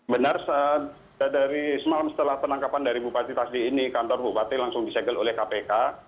benar dari semalam setelah penangkapan dari bupati tasli ini kantor bupati langsung disegel oleh kpk